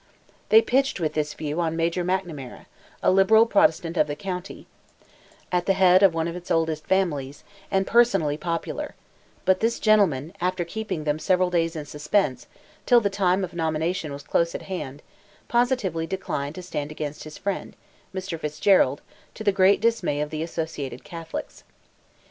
They pitched with this view on Major McNamara, a liberal Protestant of the county, at the head of one of its oldest families, and personally popular; but this gentleman, after keeping them several days in suspense, till the time of nomination was close at hand, positively declined to stand against his friend, Mr. Fitzgerald, to the great dismay of the associated Catholics.